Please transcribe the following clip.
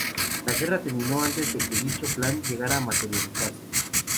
La guerra terminó antes de que dicho plan llegara a materializarse.